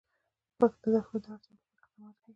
د دښتو د اړتیاوو لپاره اقدامات کېږي.